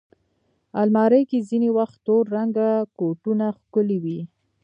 الماري کې ځینې وخت تور رنګه کوټونه ښکلي وي